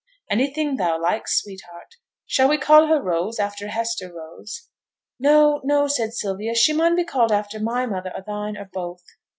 'Anything thou likes, sweetheart. Shall we call her Rose, after Hester Rose?' 'No, no!' said Sylvia; 'she mun be called after my mother, or thine, or both.